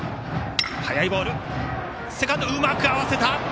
セカンド、うまく合わせた！